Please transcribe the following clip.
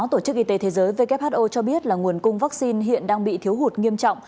tổ chức y tế thế giới who cho biết là nguồn cung vaccine hiện đang bị thiếu hụt nghiêm trọng